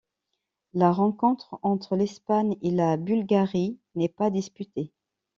La rencontre entre l'Espagne et la Bulgarie n'est pas disputée.